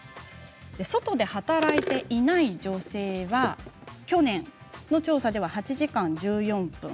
外で働いていない女性は去年の調査では８時間１４分。